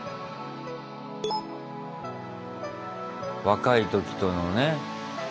若い時とのね。